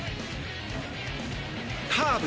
カーブ。